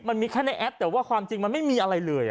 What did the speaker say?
มันมีแค่ในแอปแต่ว่าความจริงมันไม่มีอะไรเลย